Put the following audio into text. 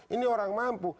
ini orang mampu